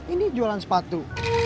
ini jualan sepatu